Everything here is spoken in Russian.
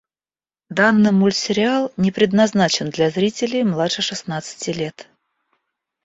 Данный мультсериал не предназначен для зрителей младше шестнадцати лет.